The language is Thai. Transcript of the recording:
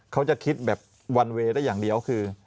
เขาจะคิดแบบวันเวย์ได้อย่างเดียวคือ